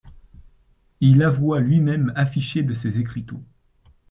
Il avoit lui-même affiché de ses écriteaux.